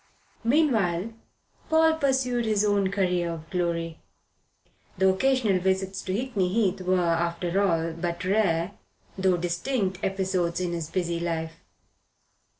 Meanwhile Paul pursued his own career of glory. The occasional visits to Hickney Heath were, after all, but rare, though distinct, episodes in his busy life.